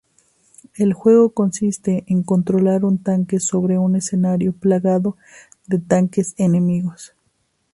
El juego consiste en controlar un tanque sobre un escenario plagado de tanques enemigos.